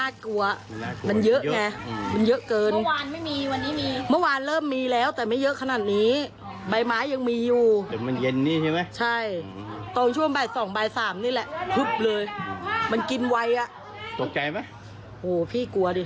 จุศลความสุขจำนวนไว้